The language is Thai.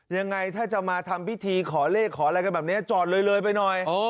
ยังไงถ้าจะมาทำพิธีขอเลขขออะไรกันแบบนี้จอดเลยไปหน่อย